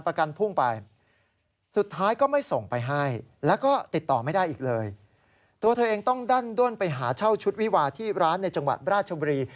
หวังว่าจะได้เงินคืนจากร้านเวดดิ่งแห่งนี้นะครับ